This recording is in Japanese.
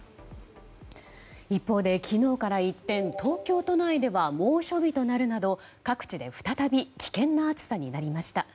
一方で、昨日から一転東京都内では猛暑日となるなど各地で再び危険な暑さになりました。